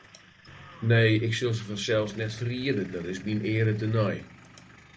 Nee, ik sil se fansels net ferriede, dat is myn eare tenei.